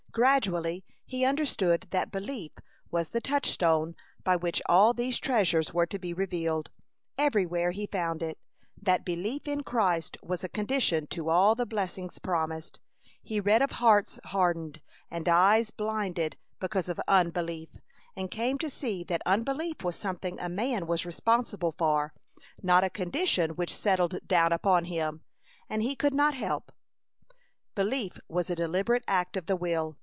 Gradually he understood that Belief was the touchstone by which all these treasures were to be revealed. Everywhere he found it, that belief in Christ was a condition to all the blessings promised. He read of hearts hardened and eyes blinded because of unbelief, and came to see that unbelief was something a man was responsible for, not a condition which settled down upon him, and he could not help. Belief was a deliberate act of the will.